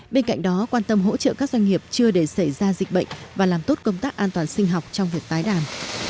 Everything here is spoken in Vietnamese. bên cạnh đó quan tâm hỗ trợ các doanh nghiệp chưa để xảy ra dịch bệnh và làm tốt công tác an toàn sinh học trong việc tái đàn